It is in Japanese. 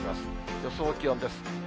予想気温です。